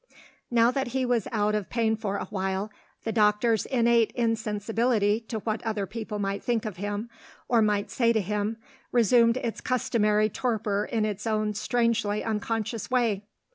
Now that he was out of pain for awhile, the doctor's innate insensibility to what other people might think of him, or might say to him, resumed its customary torpor in its own strangely unconscious way.